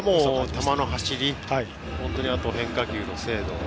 球の走りと変化球の精度